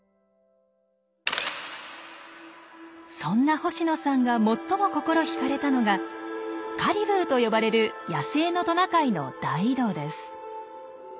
そんな星野さんが最も心引かれたのが「カリブー」と呼ばれる野生のトナカイの大移動です。